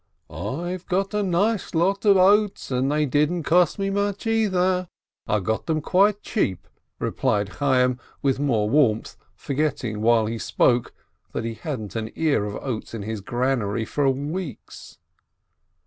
"I've got a nice lot of oats, and they didn't cost me much, either. I got them quite cheap," replied Chayyim, with more warmth, forgetting, while he spoke, that he hadn't had an ear of oats in his granary for weeks.